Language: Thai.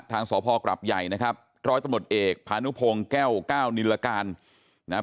ทางสพกรับใหญ่นะครับร้อยตำรวจเอกพานุพงศ์แก้วเก้านิรการนะฮะ